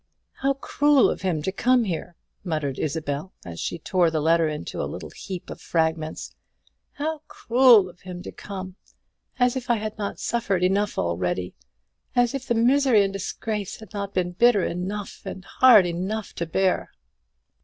"How cruel of him to come here!" muttered Isabel, as she tore the letter into a little heap of fragments; "how cruel of him to come! As if I had not suffered enough already; as if the misery and disgrace had not been bitter enough and hard enough to bear."